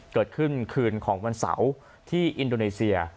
เกิดขึ้นคืนของวันเสาร์ที่อินโดนีเซีย